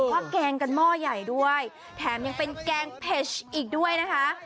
ว่าแกงกันหม้อใหญ่ด้วยแถมยังเป็นแกงเผ็ดอีกด้วยนะคะ